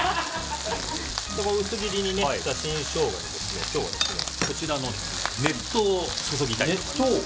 薄切りにした新ショウガを今日はこちらの熱湯を注ぎたいと思います。